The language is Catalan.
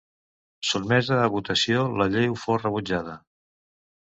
Sotmesa a votació, la llei fou rebutjada.